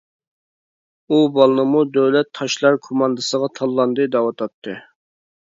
ئۇ بالىنىمۇ دۆلەت تاشلار كوماندىسىغا تاللاندى دەۋاتاتتى.